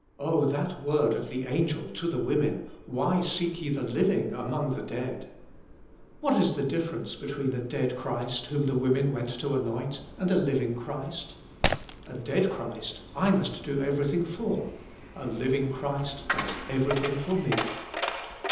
Oh! that word of the angel to the women! <<Why seek ye the living among the dead ?" What is the difference be tween a" dead Christ, whom the women went to anoint, and a living Christ? A dead Christ, I must do everything for ; a living Christ does everything for me.